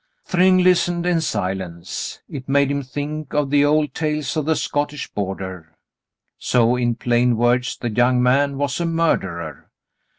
Thryng listened in silence. It made him think of the old tales of the Scottish border. So, in plain words, the young man was a murderer.